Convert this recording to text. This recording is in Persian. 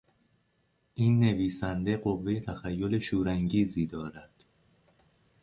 این نویسنده قوهی تخیل شور انگیزی دارد.